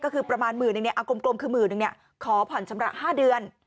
กรมกลมคือหมื่นนึงนี้ขอผ่อนชำระ๕เดือน